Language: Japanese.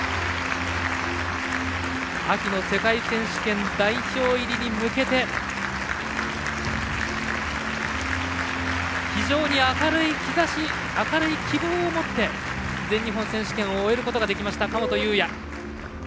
秋の世界選手権代表入りに向けて非常に明るい希望を持って全日本選手権終えることができた神本雄也。